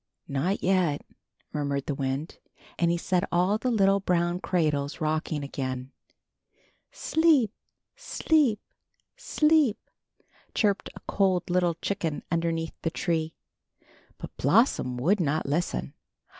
"Not yet," murmured the wind, and he set all the little brown cradles rocking again. "Sleep, sleep, sleep," chirped a cold little chicken underneath the tree. But Blossom would not listen.